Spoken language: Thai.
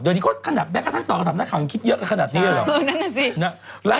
แม้ต่อกับถามหน้าข่าวคิดขนาดนี้แล้ว